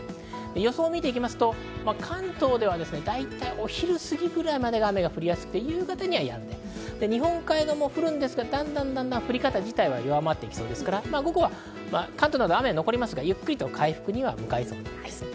予想を見ていきますと関東では大体、お昼過ぎくらいまで雨が降りやすく、夕方にはやんで、日本海側も降るんですが、だんだん降り方自体は弱まっていきますから、午後はゆっくりと回復には向かいそうです。